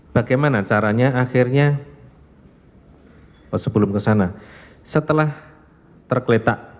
bagaimana caranya akhirnya oh sebelum kesana setelah terkeletak